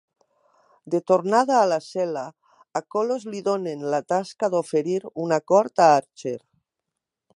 De tornada a la cel·la, a Kolos li donen la tasca d'oferir un acord a Archer.